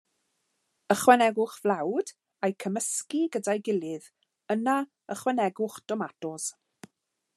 Ychwanegwch flawd a'u cymysgu gyda'i gilydd, yna ychwanegwch domatos.